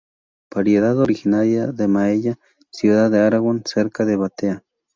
Variedad originaria de Maella, ciudad de Aragón cerca de Batea.